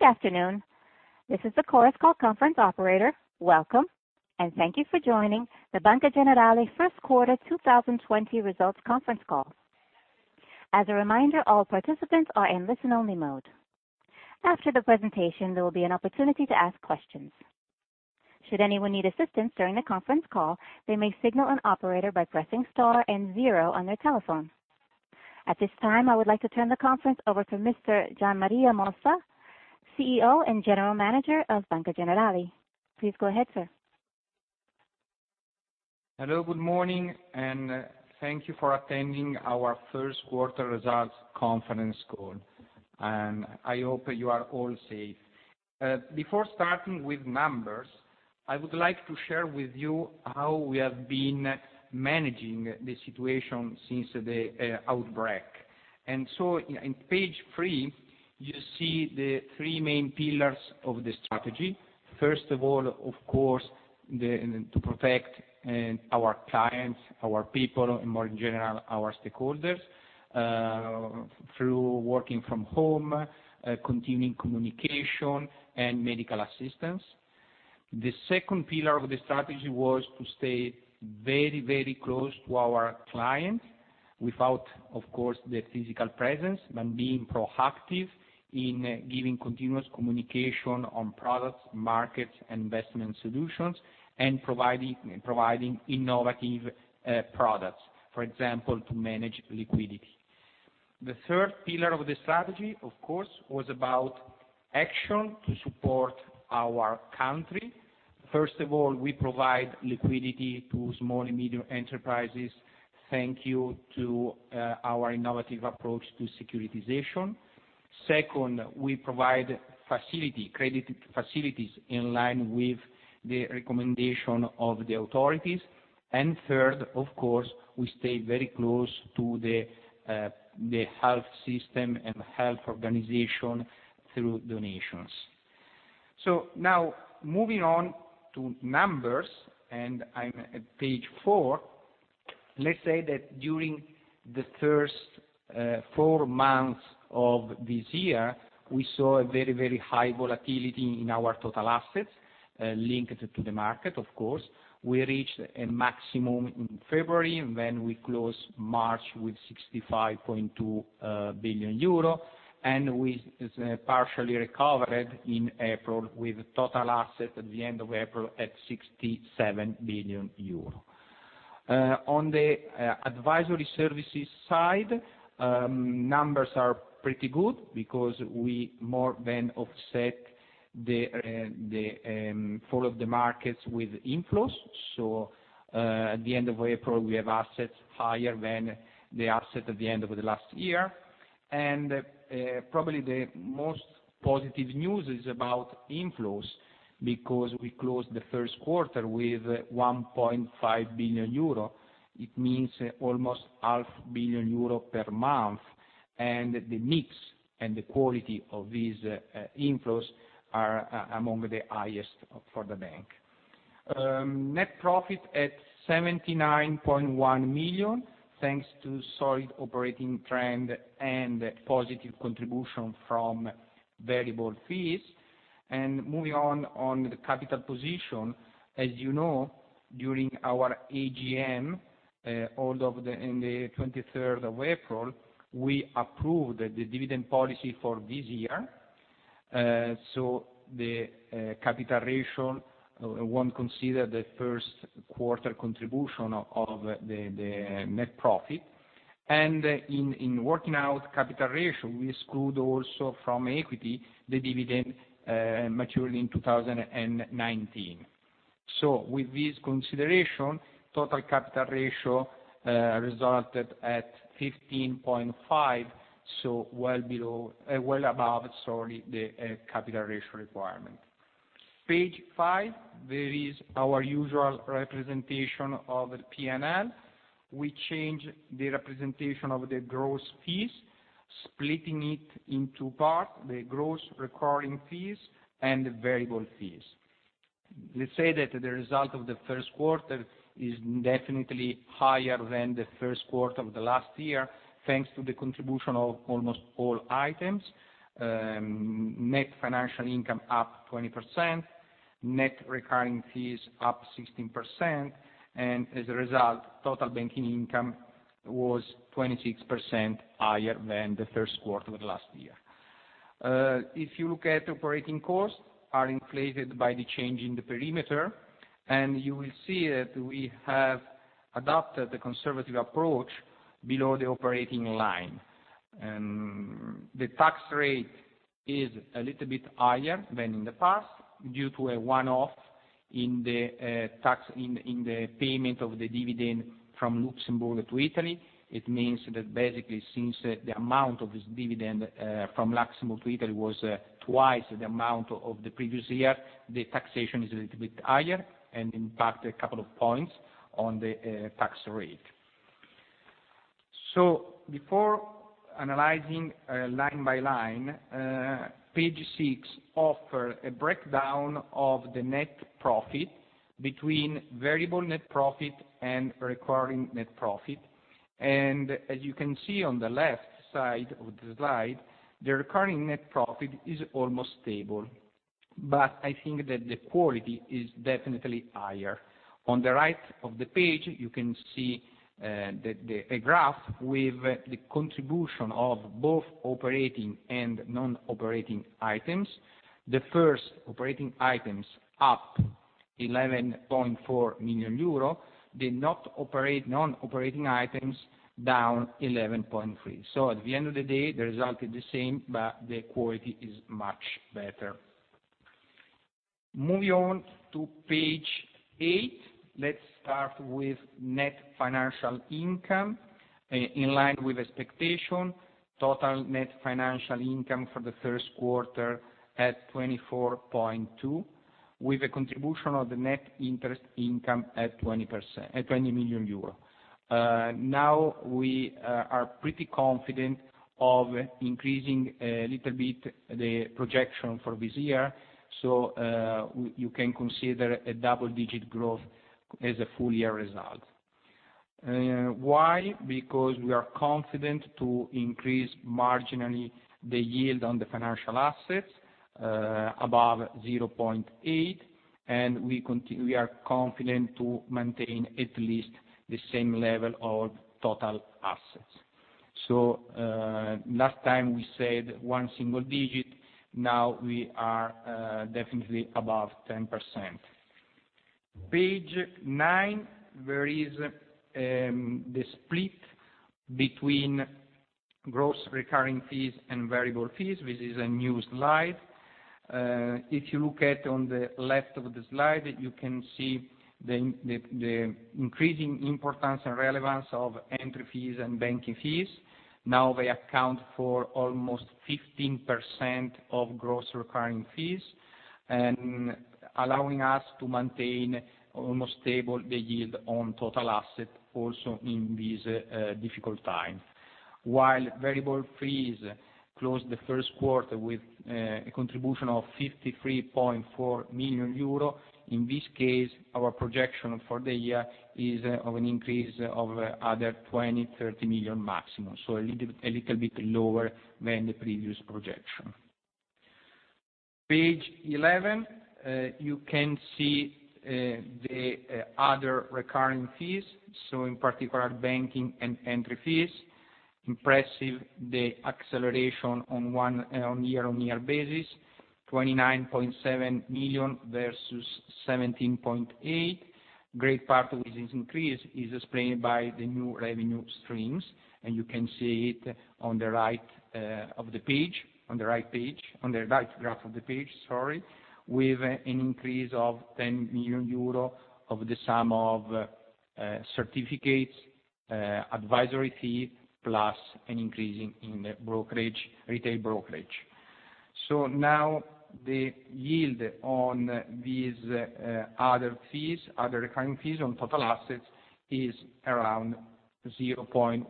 Good afternoon. This is the Chorus Call conference operator. Welcome, and thank you for joining the Banca Generali First Quarter 2020 Results Conference Call. As a reminder, all participants are in listen-only mode. After the presentation, there will be an opportunity to ask questions. Should anyone need assistance during the conference call, they may signal an operator by pressing Star and Zero on their telephone. At this time, I would like to turn the conference over to Mr. Gian Maria Mossa, CEO and General Manager of Banca Generali. Please go ahead, sir. Hello, good morning, thank you for attending our first quarter results conference call. I hope you are all safe. Before starting with numbers, I would like to share with you how we have been managing the situation since the outbreak. On page three, you see the three main pillars of the strategy. First of all, of course, to protect our clients, our people, and more in general, our stakeholders, through working from home, continuing communication, and medical assistance. The second pillar of the strategy was to stay very close to our clients without, of course, the physical presence, but being proactive in giving continuous communication on products, markets, investment solutions, and providing innovative products. For example, to manage liquidity. The third pillar of the strategy, of course, was about action to support our country. First of all, we provide liquidity to small and medium enterprises, thank you to our innovative approach to securitization. Second, we provide credit facilities in line with the recommendation of the authorities. Third, of course, we stay very close to the health system and health organization through donations. Now, moving on to numbers, and I'm at page four. Let's say that during the first four months of this year, we saw a very high volatility in our total assets, linked to the market, of course. We reached a maximum in February. Then we closed March with 65.2 billion euro, and we partially recovered in April with total assets at the end of April at 67 billion euro. On the advisory services side, numbers are pretty good because we more than offset the fall of the markets with inflows. At the end of April, we have assets higher than the assets at the end of the last year. Probably the most positive news is about inflows, because we closed the first quarter with 1.5 billion euro. It means almost half a billion EUR per month, and the mix and the quality of these inflows are among the highest for the bank. Net profit at 79.1 million, thanks to solid operating trend and positive contribution from variable fees. Moving on the capital position. As you know, during our AGM on the 23rd of April, we approved the dividend policy for this year. The capital ratio won't consider the first quarter contribution of the net profit. In working out capital ratio, we exclude also from equity the dividend matured in 2019. With this consideration, total capital ratio resulted at 15.5, well above, sorry, the capital ratio requirement. Page five, there is our usual representation of P&L. We changed the representation of the gross fees, splitting it in two parts, the gross recurring fees and the variable fees. Let's say that the result of the first quarter is definitely higher than the first quarter of last year, thanks to the contribution of almost all items. Net financial income up 20%, net recurring fees up 16%, and as a result, total banking income was 26% higher than the first quarter of last year. If you look at operating costs, are inflated by the change in the perimeter, and you will see that we have adopted a conservative approach below the operating line. Basically since the amount of this dividend from Luxembourg to Italy was twice the amount of the previous year, the taxation is a little bit higher and impacted a couple of points on the tax rate. Before analyzing line by line, page six offers a breakdown of the net profit between variable net profit and recurring net profit. As you can see on the left side of the slide, the recurring net profit is almost stable. I think that the quality is definitely higher. On the right of the page, you can see a graph with the contribution of both operating and non-operating items. The first, operating items, up 11.4 million euro. The non-operating items, down 11.3. At the end of the day, the result is the same, but the quality is much better. Moving on to page eight, let's start with net financial income. In line with expectation, total net financial income for the first quarter at 24.2, with a contribution of the net interest income at 20 million euro. We are pretty confident of increasing a little bit the projection for this year. You can consider a double-digit growth as a full-year result. Why? Because we are confident to increase marginally the yield on the financial assets above 0.8, and we are confident to maintain at least the same level of total assets. Last time we said one single digit, now we are definitely above 10%. Page nine, there is the split between gross recurring fees and variable fees. This is a new slide. If you look at on the left of the slide, you can see the increasing importance and relevance of entry fees and banking fees. Now they account for almost 15% of gross recurring fees. Allowing us to maintain almost stable the yield on total asset also in this difficult time. While variable fees closed the first quarter with a contribution of 53.4 million euro, in this case, our projection for the year is of an increase of other 20 million, 30 million maximum. A little bit lower than the previous projection. Page 11, you can see the other recurring fees. In particular, banking and entry fees. Impressive, the acceleration on year-on-year basis, 29.7 million versus 17.8 million. Great part of this increase is explained by the new revenue streams. You can see it on the right graph of the page, with an increase of 10 million euro of the sum of certificates, advisory fee, plus an increase in retail brokerage. Now the yield on these other recurring fees on total assets is around 0.17%.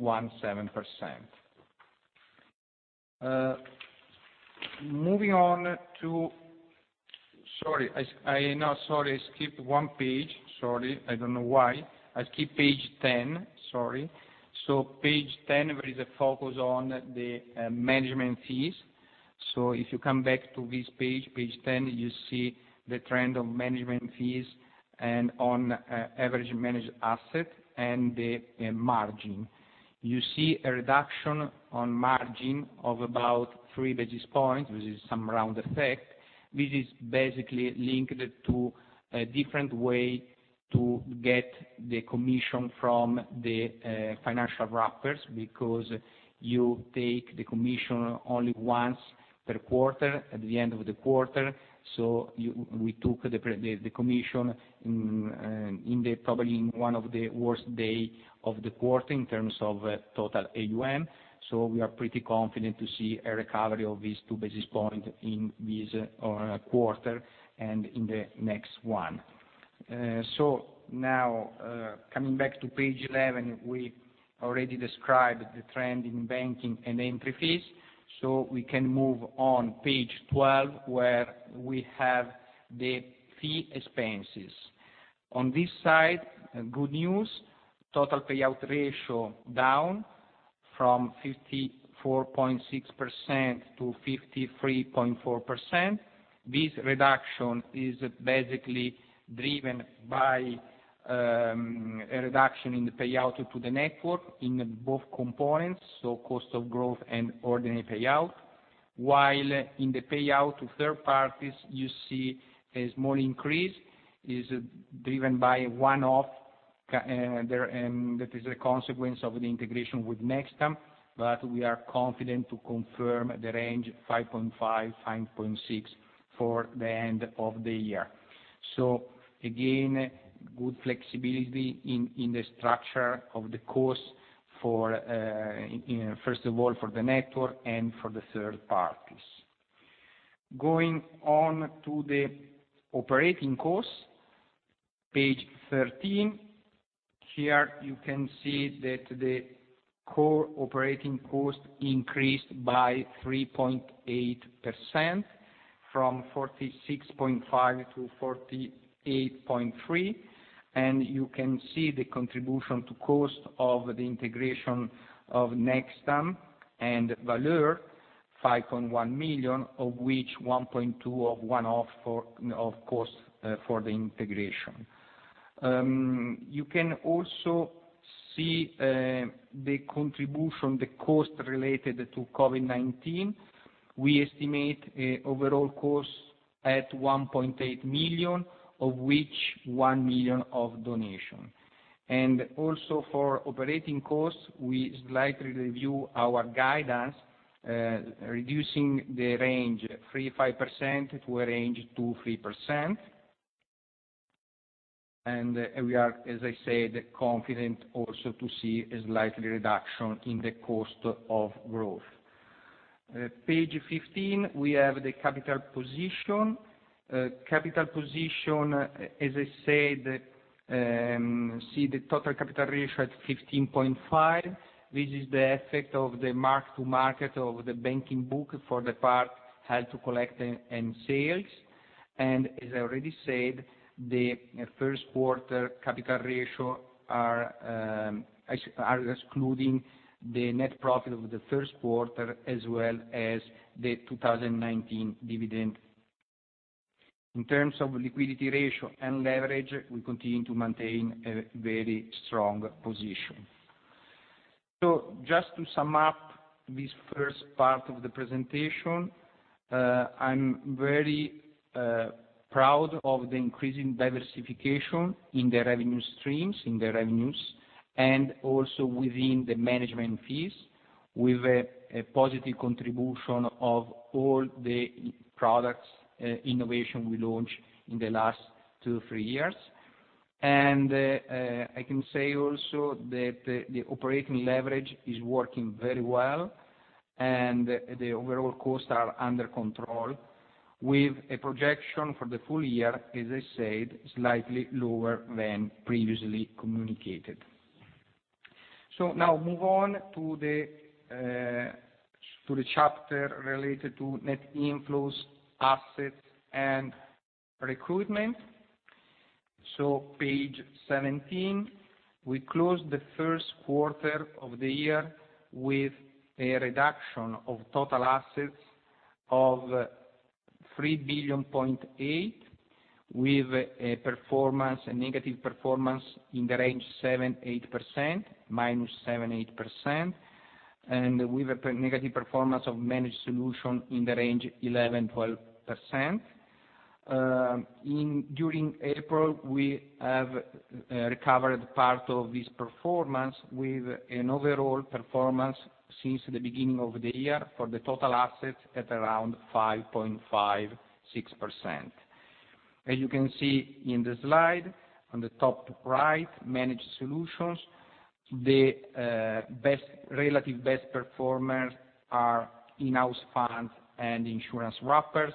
Sorry, I skipped one page. Sorry. I don't know why. I skipped page 10. Sorry. Page 10, there is a focus on the management fees. If you come back to this page 10, you see the trend of management fees and on average managed assets and the margin. You see a reduction on margin of about three basis points, which is some round effect, which is basically linked to a different way to get the commission from the financial wrappers, because you take the commission only once per quarter at the end of the quarter. We took the commission probably in one of the worst day of the quarter in terms of total AUM. We are pretty confident to see a recovery of these two basis points in this quarter and in the next one. Coming back to page 11, we already described the trend in banking and entry fees. We can move on page 12, where we have the fee expenses. On this side, good news, total payout ratio down from 54.6% to 53.4%. This reduction is basically driven by a reduction in the payout to the network in both components, so cost of growth and ordinary payout. In the payout to third parties, you see a small increase. It's driven by one-off, that is a consequence of the integration with Nextam. We are confident to confirm the range 5.5-5.6 for the end of the year. Again, good flexibility in the structure of the cost, first of all, for the network and for the third parties. Going on to the operating costs, page 13. Here you can see that the core operating costs increased by 3.8%. From 46.5 to 48.3, and you can see the contribution to cost of the integration of Nextam and Valeur, 5.1 million, of which 1.2 of one-off costs for the integration. You can also see the contribution, the cost related to COVID-19. We estimate overall costs at 1.8 million, of which 1 million of donation. Also for operating costs, we slightly review our guidance, reducing the range 3%-5% to a range 2%-3%. We are, as I said, confident also to see a slight reduction in the cost of growth. Page 15, we have the capital position. Capital position, as I said, see the total capital ratio at 15.5%. This is the effect of the mark to market of the banking book for the part held to collect and sales. As I already said, the first quarter capital ratio are excluding the net profit of the first quarter as well as the 2019 dividend. In terms of liquidity ratio and leverage, we continue to maintain a very strong position. Just to sum up this first part of the presentation, I'm very proud of the increasing diversification in the revenue streams, in the revenues, and also within the management fees with a positive contribution of all the products innovation we launched in the last two, three years. I can say also that the operating leverage is working very well, and the overall costs are under control with a projection for the full year, as I said, slightly lower than previously communicated. Now move on to the chapter related to net inflows, assets, and recruitment. Page 17, we closed the first quarter of the year with a reduction of total assets of 3.8 billion, with a negative performance in the range 7%-8%, -7% to -8%, and with a negative performance of managed solution in the range 11%-12%. During April, we have recovered part of this performance with an overall performance since the beginning of the year for the total assets at around 5.56%. As you can see in the slide, on the top right, managed solutions, the relative best performers are in-house funds and insurance wrappers,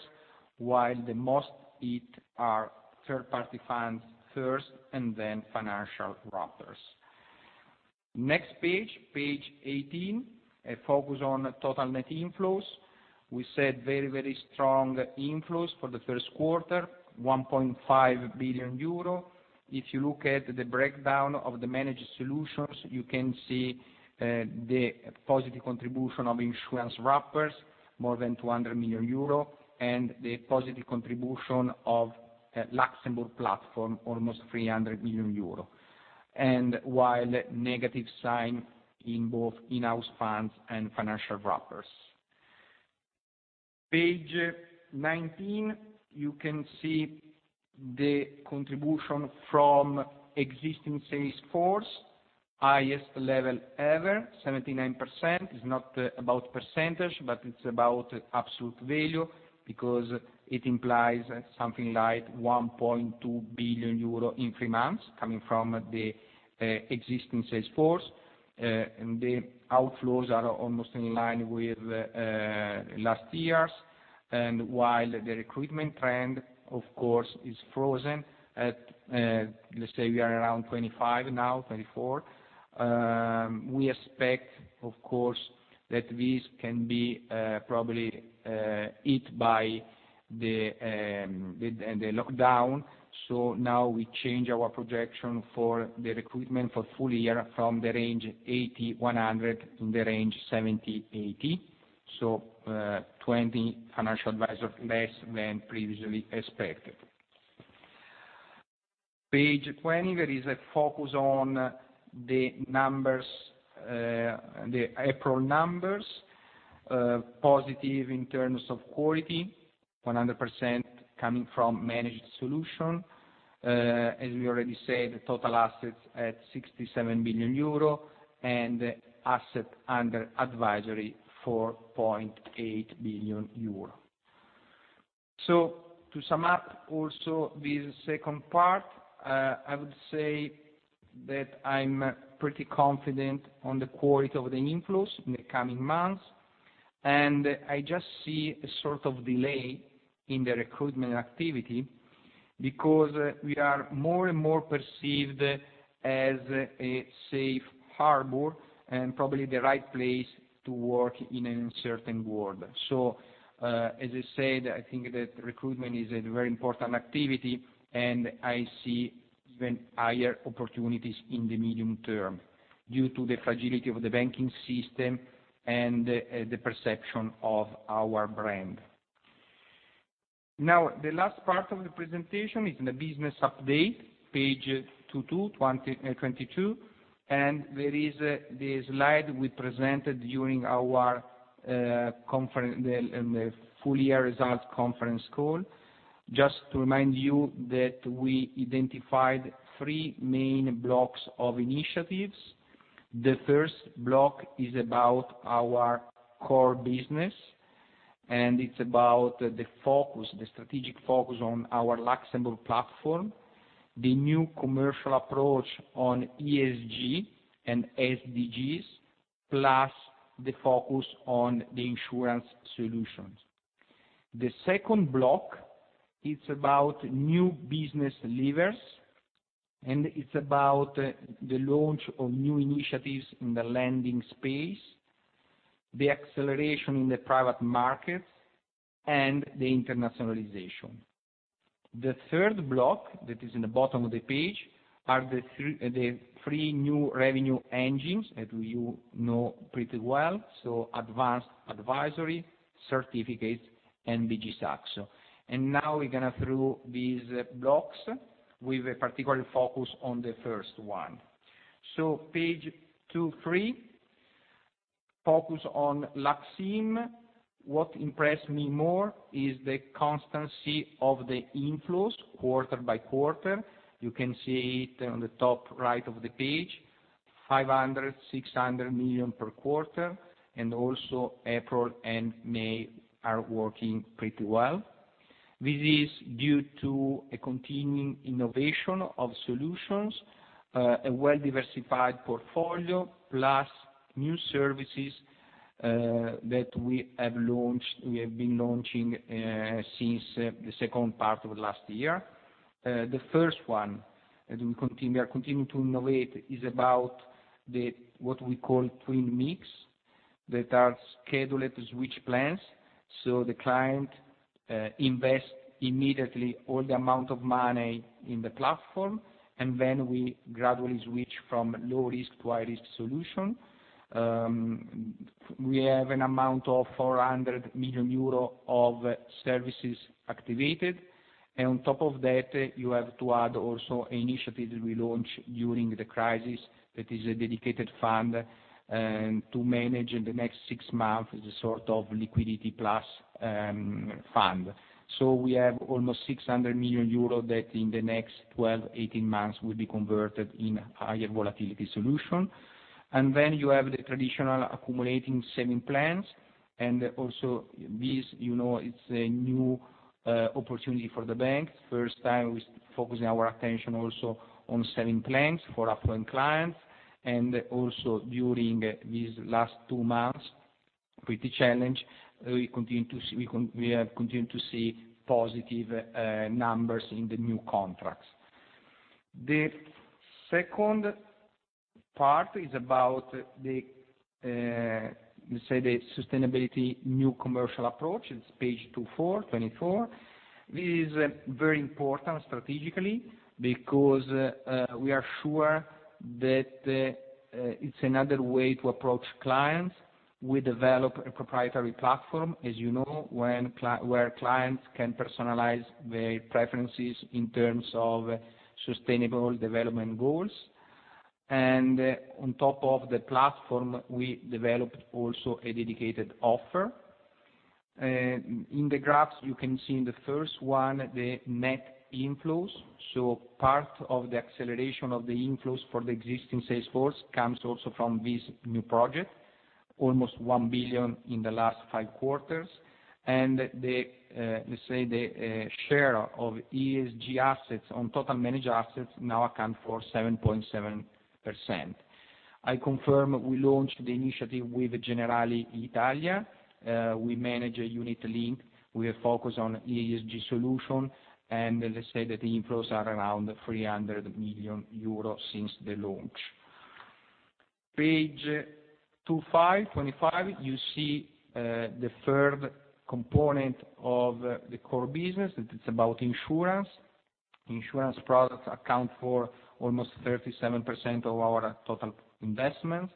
while the most hit are third-party funds first, then financial wrappers. Next page 18, a focus on total net inflows. We said very strong inflows for the first quarter, 1.5 billion euro. If you look at the breakdown of the managed solutions, you can see the positive contribution of insurance wrappers, more than 200 million euro, and the positive contribution of LUX IM, almost 300 million euro. While negative sign in both in-house funds and financial wrappers. Page 19, you can see the contribution from existing sales force, highest level ever, 79%. It's not about percentage, but it's about absolute value because it implies something like 1.2 billion euro in three months coming from the existing sales force. While the recruitment trend, of course, is frozen at, let's say we are around 25 now, 24. We expect, of course, that this can be probably hit by the lockdown. Now we change our projection for the recruitment for full year from the range 80-100 in the range 70-80, 20 financial advisor less than previously expected. Page 20, there is a focus on the April numbers. Positive in terms of quality, 100% coming from managed solution. As we already said, total assets at 67 billion euro, and asset under advisory 4.8 billion euro. To sum up also this second part, I would say that I'm pretty confident on the quality of the inflows in the coming months, and I just see a sort of delay in the recruitment activity. Because we are more and more perceived as a safe harbor, and probably the right place to work in an uncertain world. As I said, I think that recruitment is a very important activity, and I see even higher opportunities in the medium term due to the fragility of the banking system and the perception of our brand. The last part of the presentation is in the business update, page 22. There is the slide we presented during our full year results conference call. Just to remind you that we identified three main blocks of initiatives. The first block is about our core business, and it's about the strategic focus on our LUX IM platform, the new commercial approach on ESG and SDGs, plus the focus on the insurance solutions. The second block is about new business levers, and it's about the launch of new initiatives in the lending space, the acceleration in the private markets, and the internationalization. The third block, that is in the bottom of the page, are the three new revenue engines that you know pretty well, advanced advisory, certificates, and BG Saxo. Now we're going to through these blocks with a particular focus on the first one. So page 23, focus on LUX IM. What impressed me more is the constancy of the inflows quarter by quarter. You can see it on the top right of the page, 500 million, 600 million per quarter, and also April and May are working pretty well. This is due to a continuing innovation of solutions, a well-diversified portfolio, plus new services that we have been launching since the second part of last year. The first one, as we are continuing to innovate, is about the, what we call Twin Mix, that are scheduled switch plans. The client invests immediately all the amount of money in the platform, and then we gradually switch from low risk to high risk solution. We have an amount of 400 million euro of services activated. On top of that, you have to add also initiatives we launched during the crisis, that is a dedicated fund to manage in the next six months, a sort of liquidity plus fund. We have almost 600 million euros that in the next 12-18 months will be converted in higher volatility solution. You have the traditional accumulating saving plans, this, you know, it's a new opportunity for the bank. First time we're focusing our attention also on saving plans for affluent clients. During these last two months, pretty challenged, we have continued to see positive numbers in the new contracts. The second part is about the, let me say, the sustainability new commercial approach. It's page 24. This is very important strategically because we are sure that it's another way to approach clients. We develop a proprietary platform, as you know, where clients can personalize their preferences in terms of Sustainable Development Goals. On top of the platform, we developed also a dedicated offer. In the graphs you can see in the first one, the net inflows. Part of the acceleration of the inflows for the existing sales force comes also from this new project, almost 1 billion in the last five quarters. The, let's say, the share of ESG assets on total managed assets now account for 7.7%. I confirm we launched the initiative with Generali Italia. We manage a unit-linked with a focus on ESG solution. Let's say that the inflows are around 300 million euros since the launch. Page 25, you see the third component of the core business. It's about insurance. Insurance products account for almost 37% of our total investments.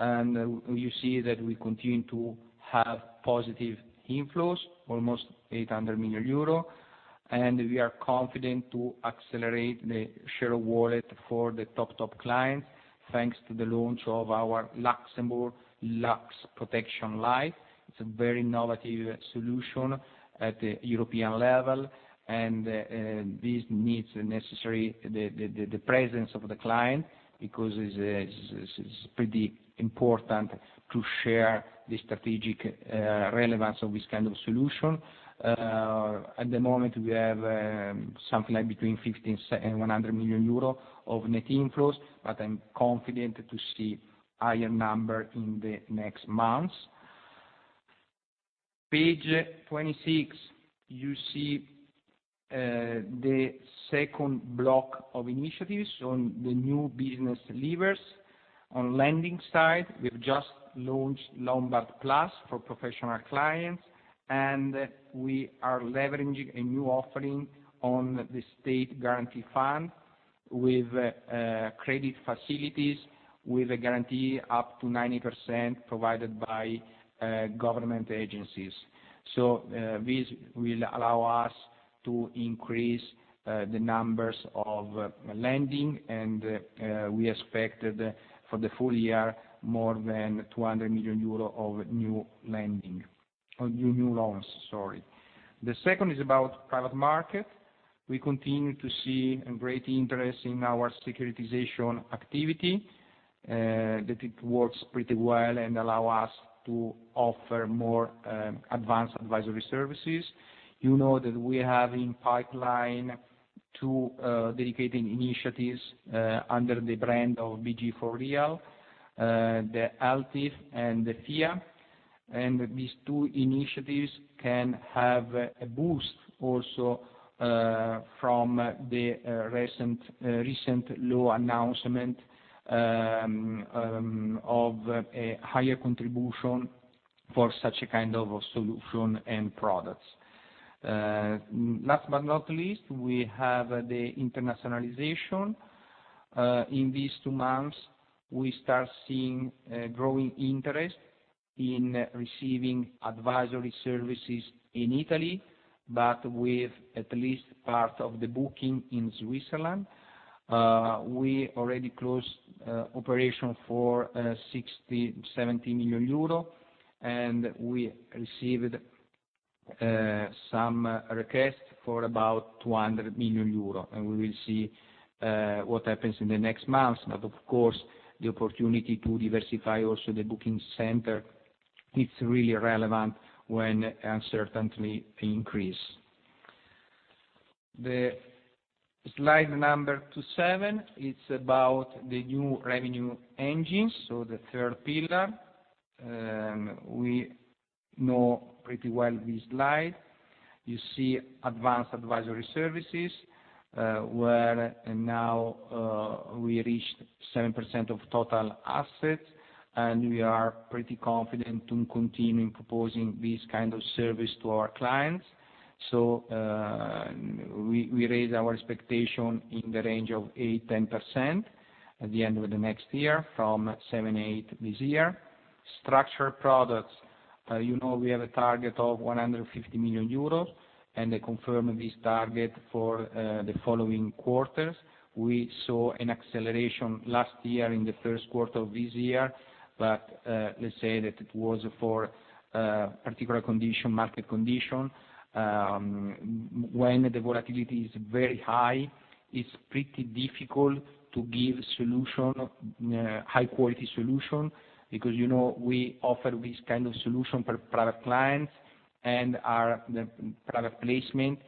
You see that we continue to have positive inflows, almost 800 million euro. We are confident to accelerate the share of wallet for the top clients, thanks to the launch of our Luxembourg Lux Protection Life. It's a very innovative solution at the European level. This needs the presence of the client, because it's pretty important to share the strategic relevance of this kind of solution. At the moment, we have something like between 50 million and 100 million euro of net inflows, but I'm confident to see higher number in the next months. Page 26, you see the second block of initiatives on the new business levers. On lending side, we've just launched Lombard Plus for professional clients, and we are leveraging a new offering on the state guarantee fund with credit facilities, with a guarantee up to 90% provided by government agencies. This will allow us to increase the numbers of lending, and we expected for the full year, more than 200 million euro of new lending or new loans, sorry. The second is about private market. We continue to see a great interest in our securitization activity, that it works pretty well and allow us to offer more advanced advisory services. You know that we have in pipeline two dedicating initiatives under the brand of BG4Real, the ELTIF and the FIA. These two initiatives can have a boost also from the recent law announcement of a higher contribution for such a kind of solution and products. Last but not least, we have the internationalization. In these two months, we start seeing growing interest in receiving advisory services in Italy, but with at least part of the booking in Switzerland. We already closed operations for 60 million-70 million euro, We received some requests for about 200 million euro. We will see what happens in the next months. Of course, the opportunity to diversify also the booking center, it's really relevant when uncertainty increases. The slide number 27, it's about the new revenue engines, so the third pillar. We know pretty well this slide. You see advanced advisory services, where now we reached 7% of total assets, We are pretty confident to continue proposing this kind of service to our clients. We raise our expectation in the range of 8%-10% at the end of the next year from 7%-8% this year. Structured products, you know we have a target of 150 million euros, I confirm this target for the following quarters. We saw an acceleration last year in the first quarter of this year. Let's say that it was for particular condition, market condition. When the volatility is very high, it's pretty difficult to give high quality solution because you know we offer this kind of solution for private clients and our private placement,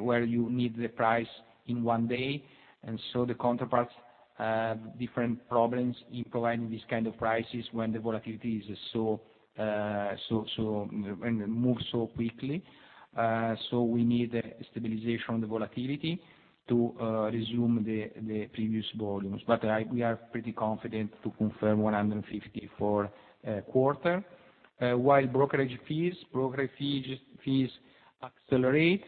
where you need the price in one day. The counterparts have different problems in providing these kind of prices when the volatility moves so quickly. We need stabilization of the volatility to resume the previous volumes. We are pretty confident to confirm 150 per quarter. While brokerage fees accelerate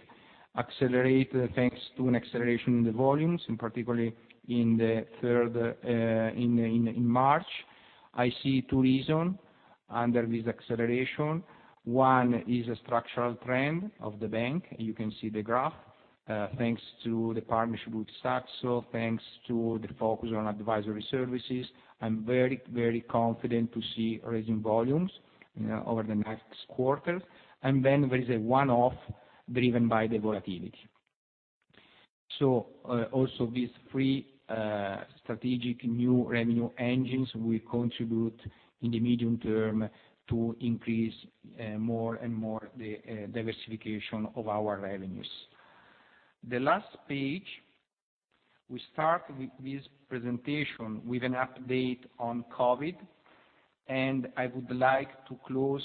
thanks to an acceleration in the volumes, and particularly in March. I see two reason under this acceleration. One is a structural trend of the bank. You can see the graph. Thanks to the partnership with Saxo, thanks to the focus on advisory services. I'm very confident to see raising volumes over the next quarter. There is a one-off driven by the volatility. Also these three strategic new revenue engines will contribute in the medium term to increase more and more the diversification of our revenues. The last page, we start with this presentation with an update on COVID, and I would like to close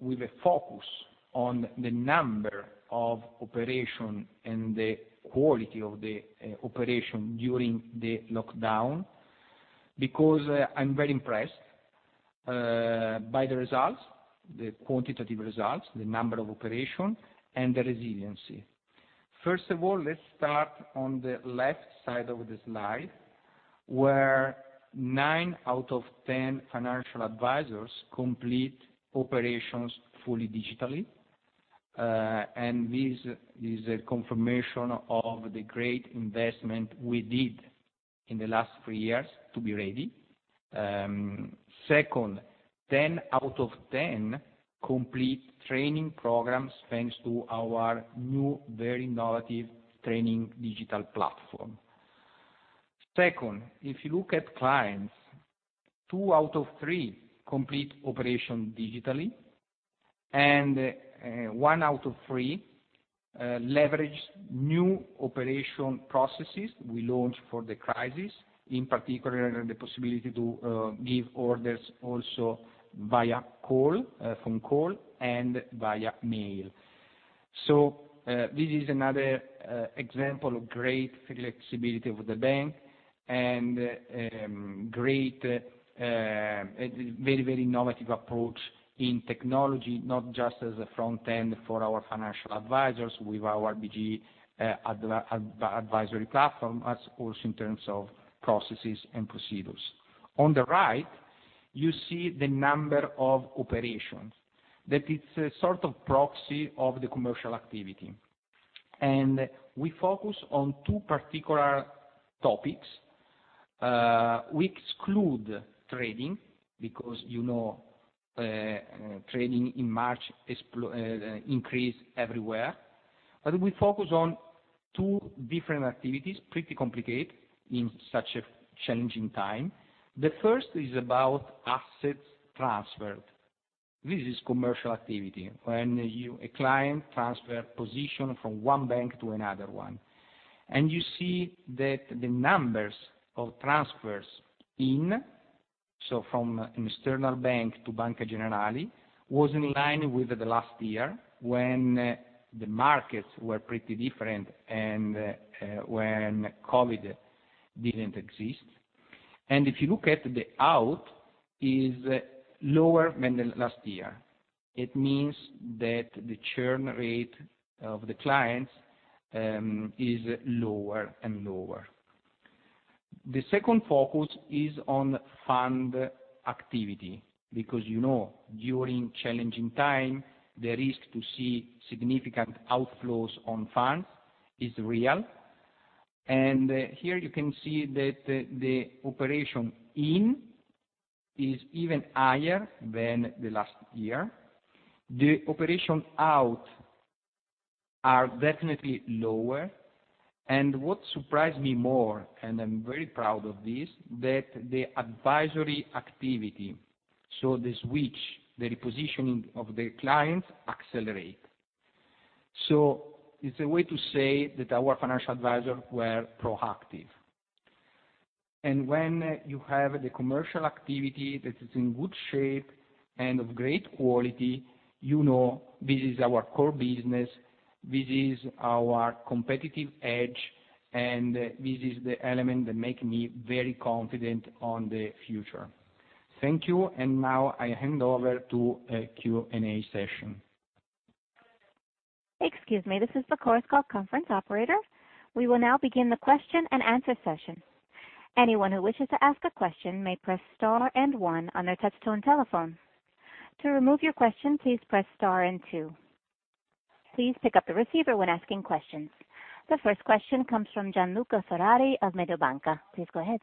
with a focus on the number of operation and the quality of the operation during the lockdown, because I'm very impressed by the results, the quantitative results, the number of operation, and the resiliency. First of all, let's start on the left side of the slide, where nine out of 10 financial advisors complete operations fully digitally. This is a confirmation of the great investment we did in the last three years to be ready. Second, 10 out of 10 complete training programs, thanks to our new, very innovative training digital platform. Second, if you look at clients, two out of three complete operation digitally, and one out of three leverage new operation processes we launched for the crisis, in particular, the possibility to give orders also via phone call and via mail. This is another example of great flexibility with the bank and very innovative approach in technology, not just as a front end for our financial advisors with our BG Advisory platform, but also in terms of processes and procedures. On the right, you see the number of operations. That is a sort of proxy of the commercial activity. We focus on two particular topics. We exclude trading because you know, trading in March increased everywhere. We focus on two different activities, pretty complicated in such a challenging time. The first is about assets transferred. This is commercial activity. When a client transfers position from one bank to another one. You see that the numbers of transfers in, so from an external bank to Banca Generali, was in line with the last year when the markets were pretty different and when COVID-19 didn't exist. If you look at the out, it is lower than last year. It means that the churn rate of the clients is lower and lower. The second focus is on fund activity, because you know, during challenging time, the risk to see significant outflows on funds is real. Here you can see that the operation in is even higher than the last year. The operation out are definitely lower. What surprised me more, and I'm very proud of this, that the advisory activity, so the switch, the repositioning of the clients accelerate. It's a way to say that our financial advisors were proactive. When you have the commercial activity that is in good shape and of great quality, you know, this is our core business, this is our competitive edge, and this is the element that make me very confident on the future. Thank you. Now I hand over to Q&A session. Excuse me. This is the Chorus Call conference operator. We will now begin the question and answer session. Anyone who wishes to ask a question may press star and one on their touch-tone telephone. To remove your question, please press star and two. Please pick up the receiver when asking questions. The first question comes from Gianluca Ferrari of Mediobanca. Please go ahead.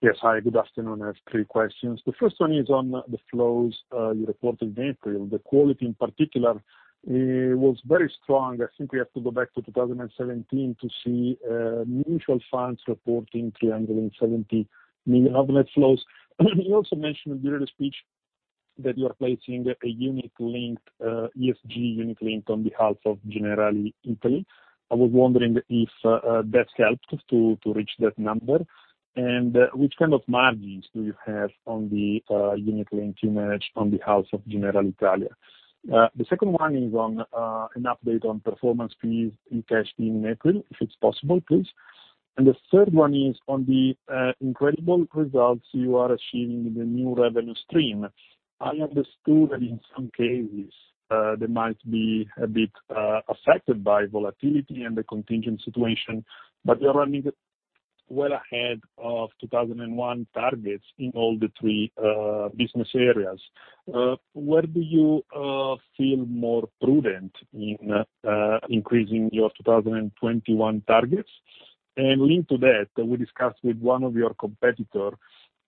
Yes. Hi, good afternoon. I have three questions. The first one is on the flows you reported in April. The quality, in particular, was very strong. I think we have to go back to 2017 to see mutual funds reporting 370 million outflows. You also mentioned during the speech that you are placing a unit-linked, ESG unit-linked on behalf of Generali Italia. I was wondering if that helped to reach that number. Which kind of margins do you have on the unit-linked you manage on the house of Generali Italia? The second one is on an update on performance fees in cash in April, if it's possible, please. The third one is on the incredible results you are achieving in the new revenue stream. I understood that in some cases, they might be a bit affected by volatility and the contingent situation, but you are running well ahead of 2021 targets in all the three business areas. Where do you feel more prudent in increasing your 2021 targets? Linked to that, we discussed with one of your competitor,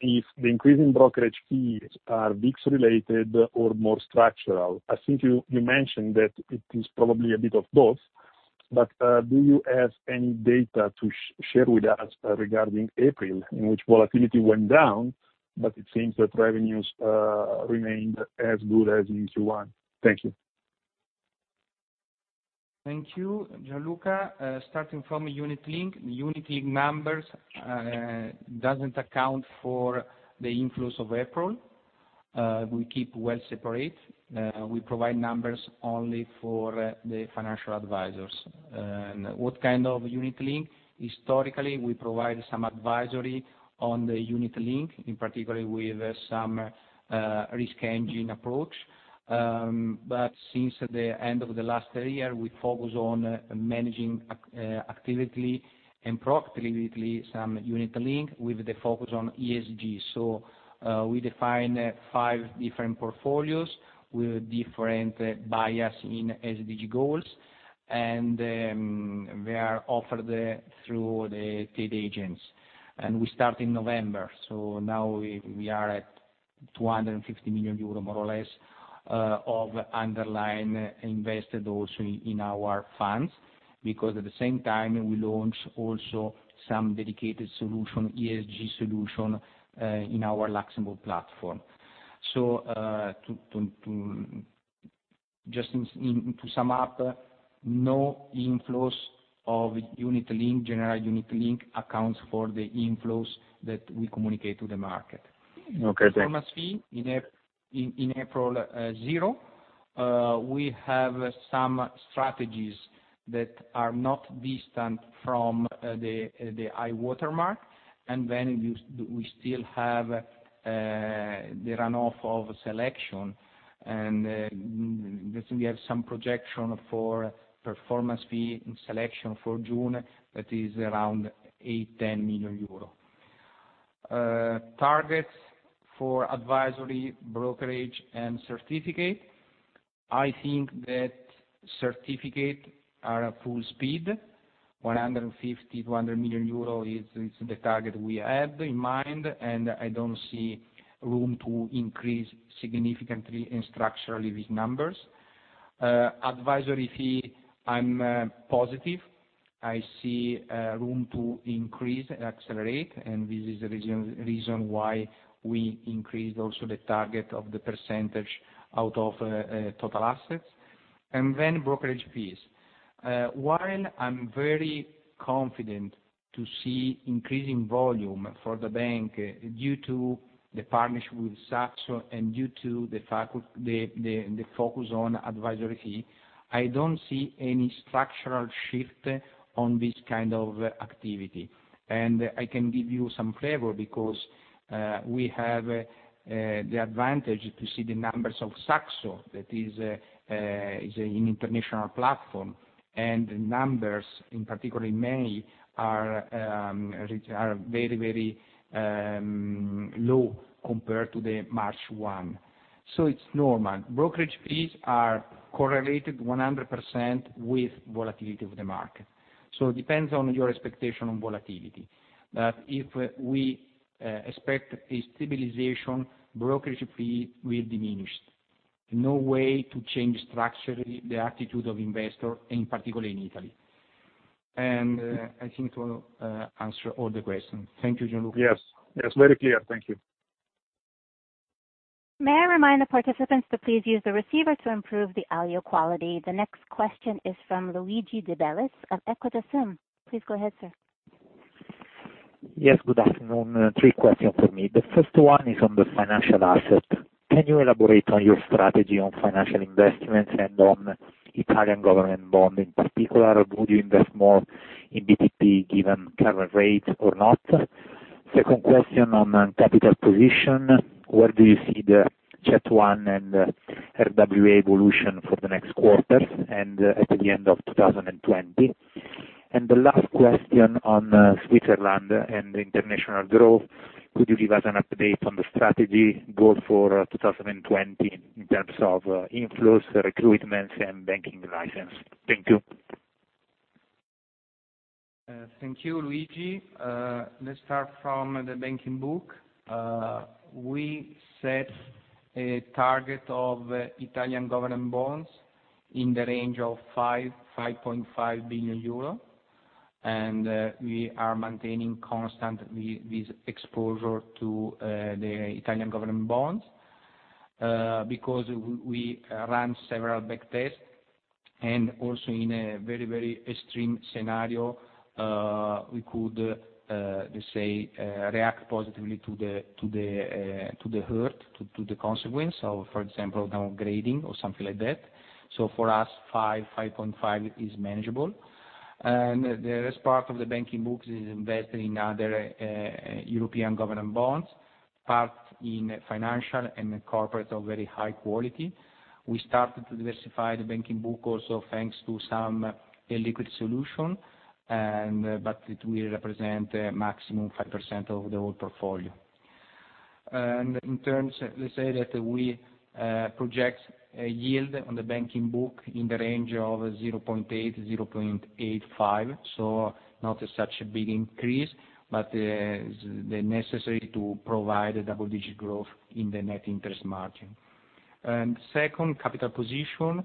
if the increase in brokerage fees are VIX related or more structural. I think you mentioned that it is probably a bit of both, but do you have any data to share with us regarding April, in which volatility went down, but it seems that revenues remained as good as in Q1? Thank you. Thank you, Gianluca. Starting from unit-linked. Unit-linked numbers doesn't account for the inflows of April. We keep well separate. We provide numbers only for the financial advisors. What kind of unit-linked? Historically, we provide some advisory on the unit-linked, in particular with some risk engine approach. Since the end of the last year, we focus on managing actively and proactively some unit-linked with the focus on ESG. We define five different portfolios with different bias in SDGs, and they are offered through the paid agents. We start in November. Now we are at 250 million euro, more or less, of underlying invested also in our funds, because at the same time, we launch also some dedicated solution, ESG solution, in our Luxembourg platform. Just to sum up, no inflows of general unit-linked accounts for the inflows that we communicate to the market. Okay, thanks. Performance fee in April, zero. We have some strategies that are not distant from the high-water mark, and then we still have the runoff of selection, and we have some projection for performance fee and selection for June that is around 8 million-10 million euro. Targets for advisory, brokerage, and certificate. I think that certificate are at full speed, 150 million-200 million euro is the target we have in mind. I don't see room to increase significantly and structurally these numbers. Advisory fee, I'm positive. I see room to increase and accelerate. This is the reason why we increased also the target of the percentage out of total assets. Brokerage fees. While I'm very confident to see increasing volume for the bank due to the partnership with Saxo and due to the focus on advisory fee, I don't see any structural shift on this kind of activity. I can give you some flavor because we have the advantage to see the numbers of Saxo, that is an international platform. The numbers, in particular in May, are very low compared to the March one. It's normal. Brokerage fees are correlated 100% with volatility of the market. It depends on your expectation on volatility. If we expect a stabilization, brokerage fee will diminish. No way to change structurally the attitude of investor, and particularly in Italy. I think to answer all the questions. Thank you, Gianluca. Yes. Very clear. Thank you. May I remind the participants to please use the receiver to improve the audio quality. The next question is from Luigi de Bellis of Equita SIM. Please go ahead, sir. Yes, good afternoon. Three questions for me. The first one is on the financial asset. Can you elaborate on your strategy on financial investments and on Italian government bond in particular? Would you invest more in BTP given current rate or not? Second question on capital position. Where do you see the CET1 and RWA evolution for the next quarters and at the end of 2020? The last question on Switzerland and international growth. Could you give us an update on the strategy goal for 2020 in terms of inflows, recruitments, and banking license? Thank you. Thank you, Luigi. Let's start from the banking book. We set a target of Italian government bonds in the range of €5 billion, €5.5 billion. We are maintaining constant this exposure to the Italian government bonds. We ran several back tests, and also in a very extreme scenario, we could react positively to the hurt, to the consequence of, for example, downgrading or something like that. For us, 5, 5.5 is manageable. The rest part of the banking book is invested in other European government bonds, part in financial and corporate of very high quality. We started to diversify the banking book also thanks to some illiquid solution, but it will represent maximum 5% of the whole portfolio. In terms, let's say that we project a yield on the banking book in the range of 0.8%-0.85%. Not such a big increase, but necessary to provide a double-digit growth in the net interest margin. Second, capital position.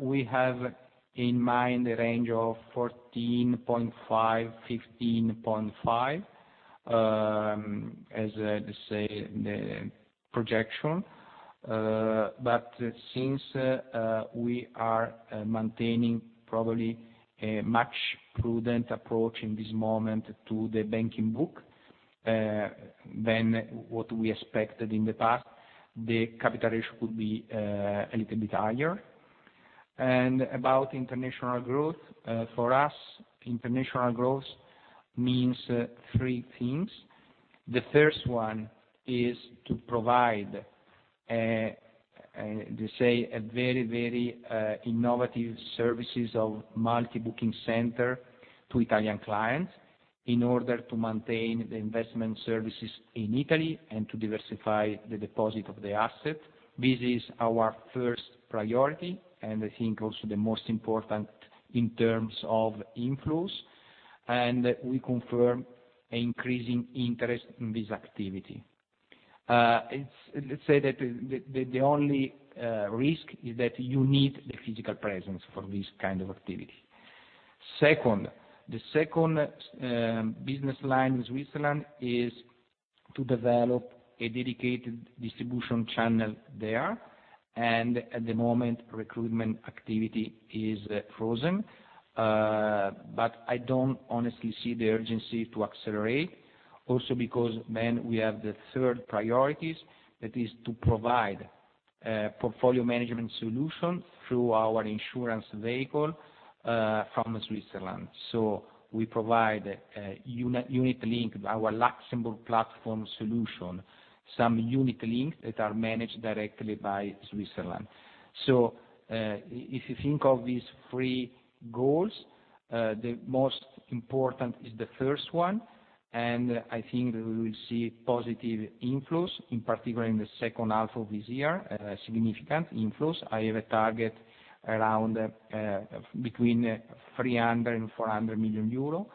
We have in mind a range of 14.5%-15.5% as the projection. Since we are maintaining probably a much prudent approach in this moment to the banking book than what we expected in the past, the capital ratio could be a little bit higher. About international growth. For us, international growth means three things. The first one is to provide, let's say, a very innovative services of multi-booking center to Italian clients in order to maintain the investment services in Italy and to diversify the deposit of the asset. This is our first priority, and I think also the most important in terms of inflows. We confirm increasing interest in this activity. Let's say that the only risk is that you need the physical presence for this kind of activity. The second business line with Switzerland is to develop a dedicated distribution channel there, and at the moment recruitment activity is frozen. I don't honestly see the urgency to accelerate, also because then we have the third priorities, that is to provide portfolio management solution through our insurance vehicle from Switzerland. We provide unit link, our Luxembourg platform solution, some unit links that are managed directly by Switzerland. If you think of these three goals, the most important is the first one, and I think we will see positive inflows, in particular in the second half of this year, significant inflows. I have a target between 300 million euro and 400 million euro.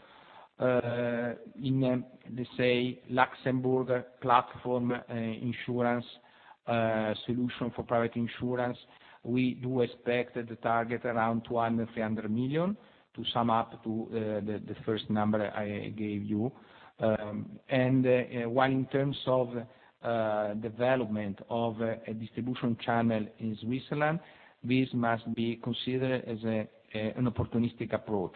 In the Luxembourg platform insurance solution for private insurance, we do expect the target around 200 million-300 million to sum up to the first number I gave you. While in terms of development of a distribution channel in Switzerland, this must be considered as an opportunistic approach.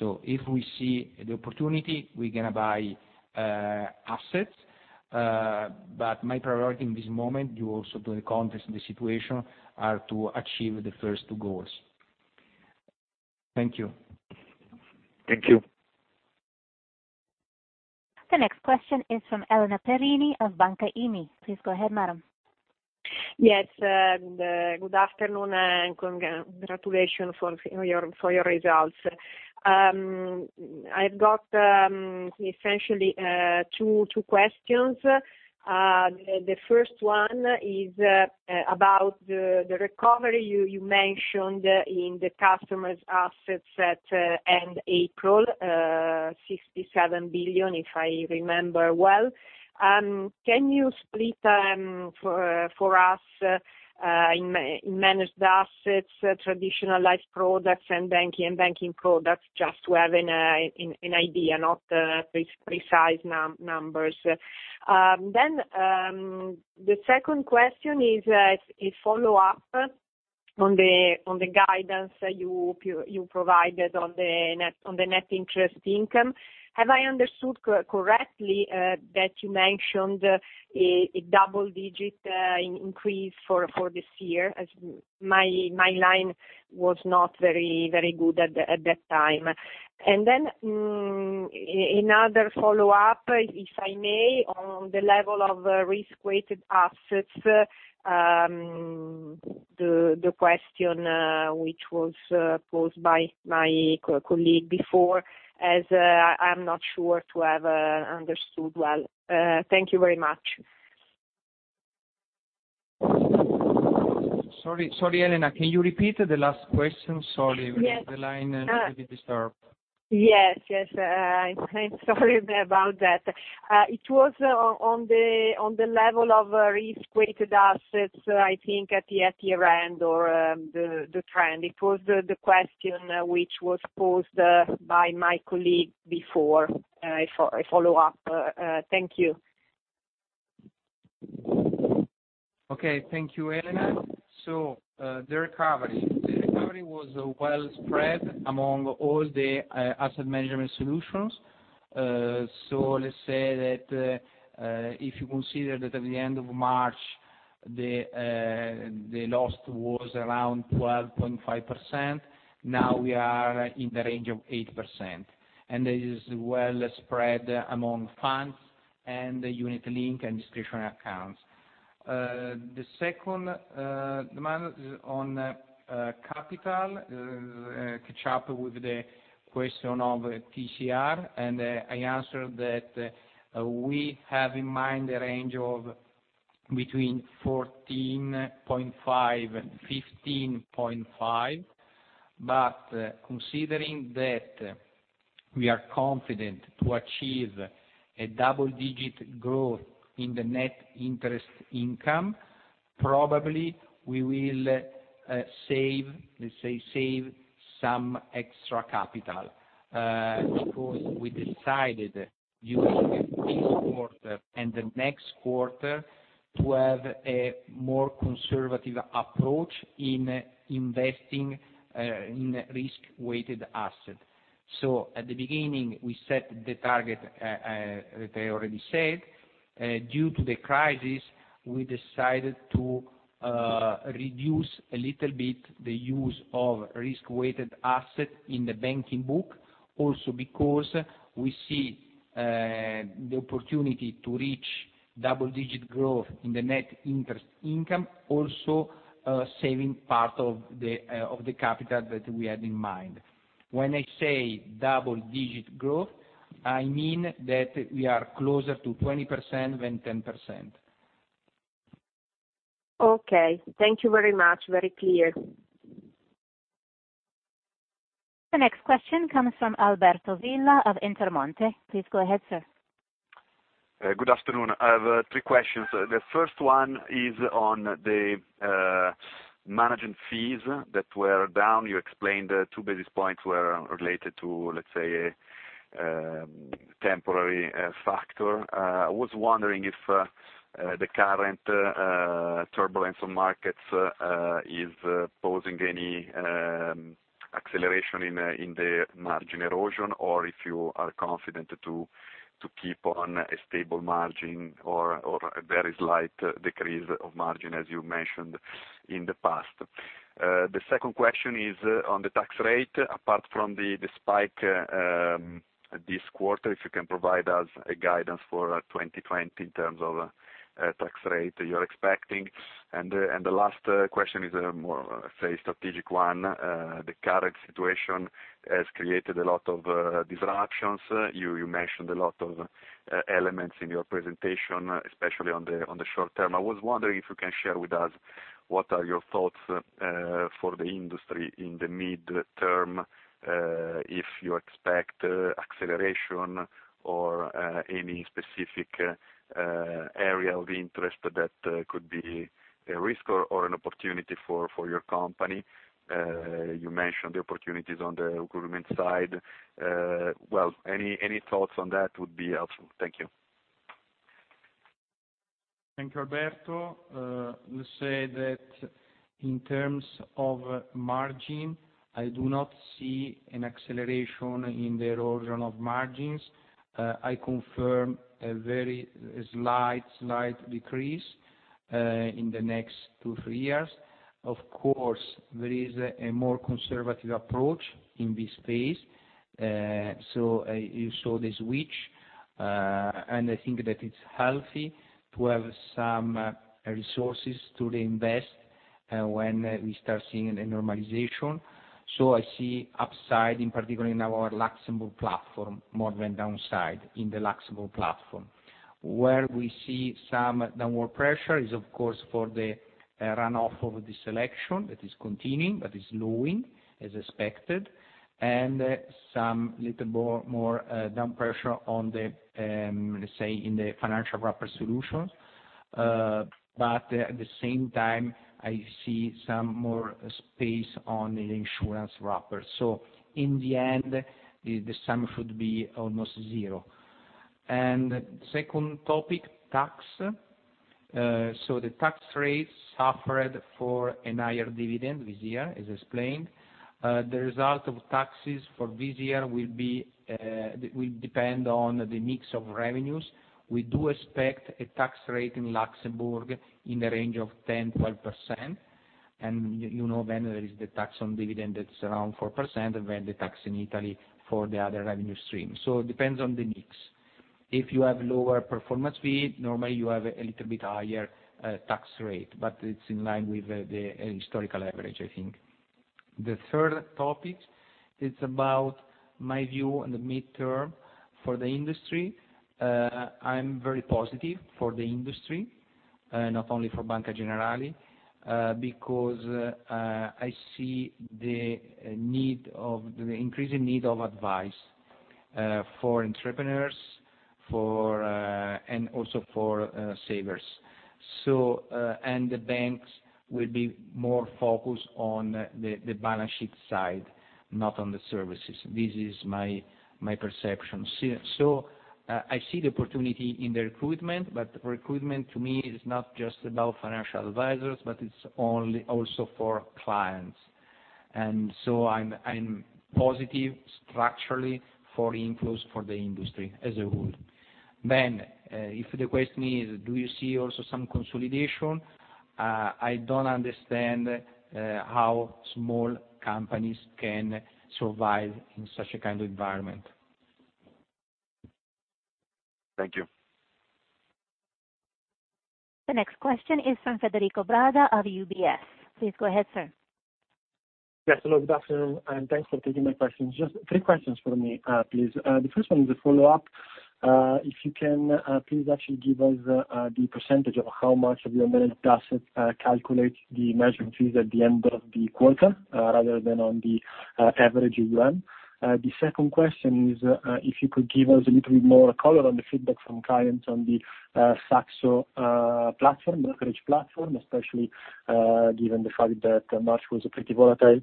If we see the opportunity, we're going to buy assets. My priority in this moment, due also to the context of the situation, are to achieve the first two goals. Thank you. Thank you. The next question is from Elena Perini of Banca IMI. Please go ahead, madam. Yes. Good afternoon. Congratulations for your results. I've got essentially two questions. The first one is about the recovery you mentioned in the customers' assets at end April, 67 billion, if I remember well. Can you split for us in managed assets, traditional life products and banking products, just to have an idea, not precise numbers? The second question is a follow-up on the guidance that you provided on the net interest income. Have I understood correctly that you mentioned a double-digit increase for this year, as my line was not very good at that time. Another follow-up, if I may, on the level of risk-weighted assets, the question which was posed by my colleague before, as I'm not sure to have understood well. Thank you very much. Sorry, Elena, can you repeat the last question? Sorry. Yes. The line a little bit disturbed. Yes. I'm sorry about that. It was on the level of risk-weighted assets, I think at the year-end or the trend. It was the question which was posed by my colleague before. A follow-up. Thank you. Okay. Thank you, Elena. The recovery. The recovery was well spread among all the asset management solutions. Let's say that if you consider that at the end of March, the loss was around 12.5%, now we are in the range of 8%. It is well spread among funds and unit-linked and discretionary accounts. The second demand on capital, catch up with the question of TCR, and I answer that we have in mind a range of between 14.5, 15.5, but considering that we are confident to achieve a double-digit growth in the net interest income, probably we will save some extra capital. We decided during this quarter and the next quarter to have a more conservative approach in investing in risk-weighted asset. At the beginning, we set the target, as I already said. Due to the crisis, we decided to reduce a little bit the use of risk-weighted asset in the banking book, also because we see the opportunity to reach double-digit growth in the net interest income, also saving part of the capital that we had in mind. When I say double-digit growth, I mean that we are closer to 20% than 10%. Okay. Thank you very much. Very clear. The next question comes from Alberto Villa of Intermonte. Please go ahead, sir. Good afternoon. I have three questions. The first one is on the management fees that were down. You explained two basis points were related to, let's say, a temporary factor. I was wondering if the current turbulence on markets is posing any acceleration in the margin erosion, or if you are confident to keep on a stable margin or a very slight decrease of margin as you mentioned in the past. The second question is on the tax rate, apart from the spike this quarter, if you can provide us a guidance for 2020 in terms of tax rate that you're expecting. The last question is a more, say, strategic one. The current situation has created a lot of disruptions. You mentioned a lot of elements in your presentation, especially on the short term. I was wondering if you can share with us what are your thoughts for the industry in the midterm, if you expect acceleration or any specific area of interest that could be a risk or an opportunity for your company? You mentioned the opportunities on the recruitment side. Well, any thoughts on that would be helpful. Thank you. Thank you, Alberto. Let's say that in terms of margin, I do not see an acceleration in the erosion of margins. I confirm a very slight decrease in the next two, three years. Of course, there is a more conservative approach in this phase. You saw the switch, and I think that it's healthy to have some resources to reinvest when we start seeing a normalization. I see upside in particular in our Luxembourg platform more than downside in the Luxembourg platform. Where we see some downward pressure is, of course, for the runoff of the BG Selection that is continuing, but is slowing as expected, and some little more down pressure on the, let's say, in the financial wrapper solutions. At the same time, I see some more space on the insurance wrapper. In the end, the sum should be almost zero. Second topic, tax. The tax rate suffered for a higher dividend this year, as explained. The result of taxes for this year will depend on the mix of revenues. We do expect a tax rate in Luxembourg in the range of 10%-12%. You know then there is the tax on dividend that's around 4%, and then the tax in Italy for the other revenue stream. It depends on the mix. If you have lower performance fee, normally you have a little bit higher tax rate, but it's in line with the historical average, I think. The third topic is about my view on the midterm for the industry. I'm very positive for the industry, not only for Banca Generali, because I see the increasing need of advice for entrepreneurs and also for savers. The banks will be more focused on the balance sheet side, not on the services. This is my perception. I see the opportunity in the recruitment, but recruitment to me is not just about financial advisors, but it's also for clients. I'm positive structurally for inflows for the industry as a whole. If the question is, do you see also some consolidation? I don't understand how small companies can survive in such a kind of environment. Thank you. The next question is from Federico Brada of UBS. Please go ahead, sir. Yes, hello, good afternoon, and thanks for taking my questions. Just three questions from me, please. The first one is a follow-up. If you can please actually give us the % of how much of your managed assets calculate the management fees at the end of the quarter rather than on the average you run. The second question is if you could give us a little bit more color on the feedback from clients on the Saxo platform, brokerage platform, especially given the fact that March was a pretty volatile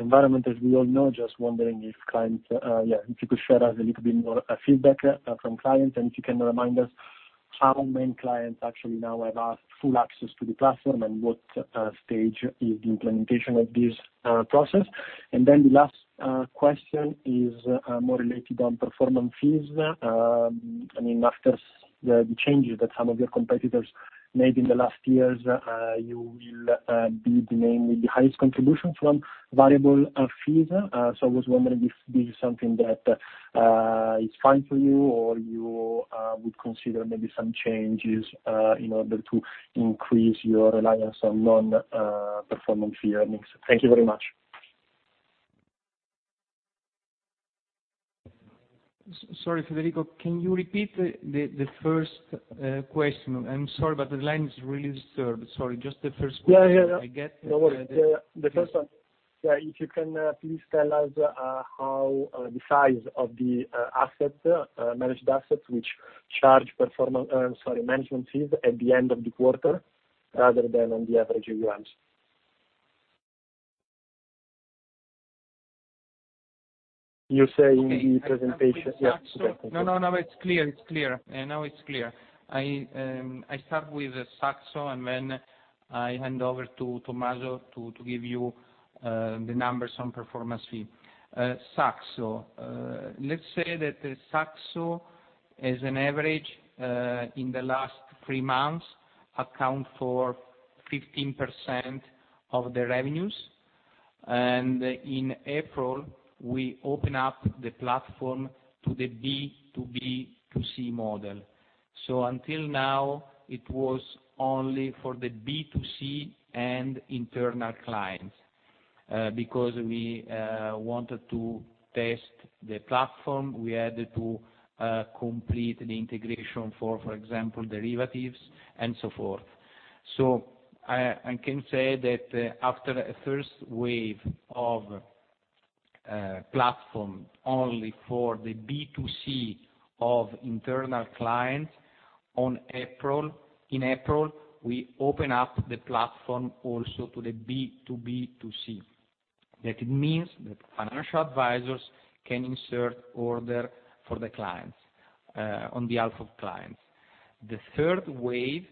environment, as we all know. Just wondering if you could share us a little bit more feedback from clients, and if you can remind us how many clients actually now have asked full access to the platform and what stage is the implementation of this process. The last question is more related on performance fees. After the changes that some of your competitors made in the last years, you will be the name with the highest contribution from variable fees. I was wondering if this is something that is fine for you, or you would consider maybe some changes in order to increase your reliance on non-performance fee earnings. Thank you very much. Sorry, Federico, can you repeat the first question? I'm sorry, but the line is really disturbed. Sorry, just the first question. Yeah. I get the- No worries. Yeah. The first one. If you can please tell us the size of the managed assets, which charge management fees at the end of the quarter rather than on the average AUMs. You say in the presentation. Okay. Yeah. No, it's clear. Now it's clear. I start with Saxo, and then I hand over to Tommaso to give you the numbers on performance fee. Saxo. Let's say that Saxo, as an average in the last three months, account for 15% of the revenues. In April, we open up the platform to the B2B2C model. Until now, it was only for the B2C and internal clients. Because we wanted to test the platform, we had to complete the integration for example derivatives and so forth. I can say that after a first wave of platform only for the B2C of internal clients, in April, we open up the platform also to the B2B2C. That it means that financial advisors can insert order on behalf of clients. The third wave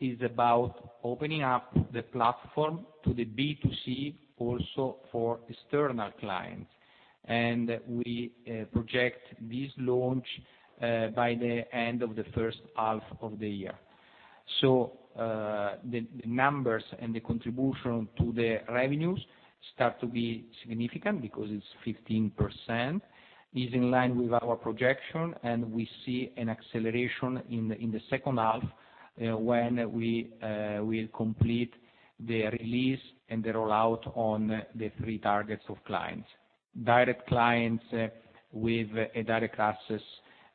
is about opening up the platform to the B2C also for external clients. We project this launch by the end of the first half of the year. The numbers and the contribution to the revenues start to be significant because it is 15%, is in line with our projection, and we see an acceleration in the second half when we will complete the release and the rollout on the three targets of clients. Direct clients with a direct access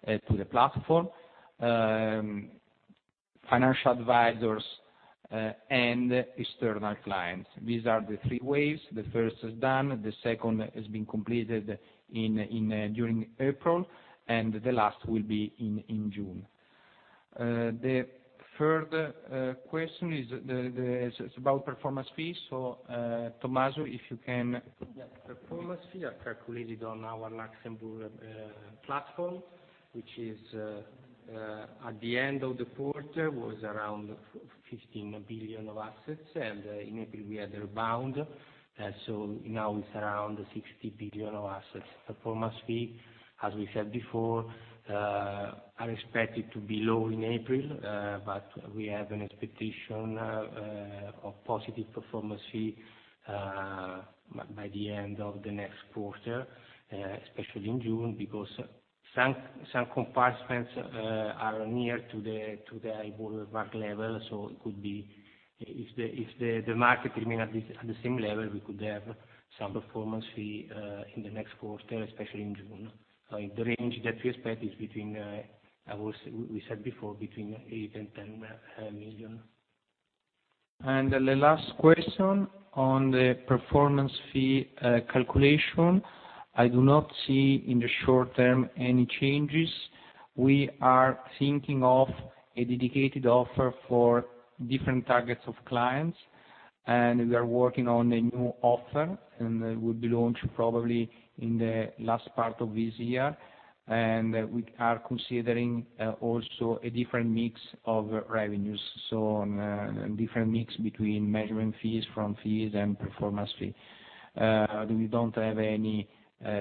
to the platform, financial advisors, and external clients. These are the three waves. The first is done, the second has been completed during April, and the last will be in June. The third question is about performance fees. Tommaso. Performance fee are calculated on our Luxembourg platform, which at the end of the quarter was around 15 billion of assets. In April, we had a rebound. Now it's around 16 billion of assets. Performance fee, as we said before, are expected to be low in April. We have an expectation of positive performance fee by the end of the next quarter, especially in June, because some compartments are near to their high-water mark level. If the market remain at the same level, we could have some performance fee in the next quarter, especially in June. The range that we expect is, we said before, between 8 million and 10 million. The last question on the performance fee calculation, I do not see in the short term any changes. We are thinking of a dedicated offer for different targets of clients, we are working on a new offer, will be launched probably in the last part of this year. We are considering also a different mix of revenues. A different mix between management fees, front fees, and performance fee. We don't have any